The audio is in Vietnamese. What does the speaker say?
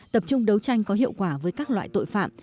tập trung đấu tranh có hiệu quả với các loại tội phạm